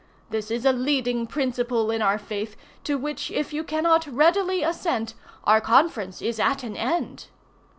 This is a leading principle in our faith, to which if you cannot readily assent, our conference is at an end."